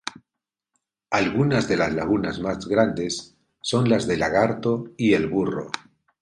Algunas de las lagunas más grandes son las de Lagarto y El Burro.